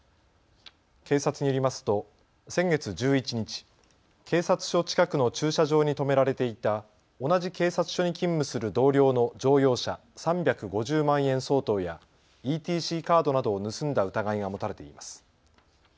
警察によりますと先月１１日、警察署近くの駐車場に止められていた同じ警察署に勤務する同僚の乗用車３５０万円相当やＥＴＣカードなどを盗んだ疑いが持たれています。